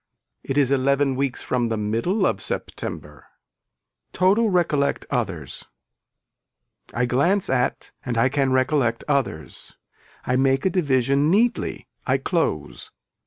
It is eleven weeks from the middle of September. Total recollect others. I glance at and I can recollect others. I make a division neatly, I close.